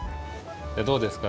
どうですか？